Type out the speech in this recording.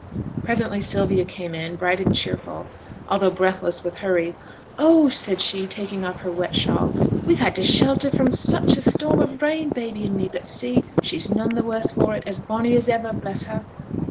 Presently Sylvia came in, bright and cheerful, although breathless with hurry. 'Oh,' said she, taking off her wet shawl, 'we've had to shelter from such a storm of rain, baby and me but see! she's none the worse for it, as bonny as iver, bless her.'